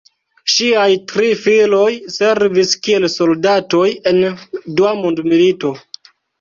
Ŝiaj tri filoj servis kiel soldatoj en Dua mondmilito.